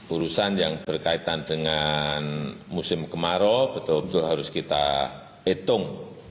urusan yang berkaitan dengan musim kemarau betul betul harus kita hitung